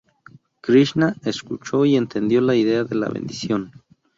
Krishná escuchó y entendió la idea de la bendición.